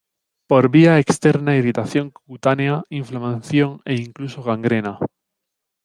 Por vía externa irritación cutánea, inflamación e incluso gangrena.